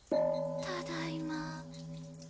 ただいま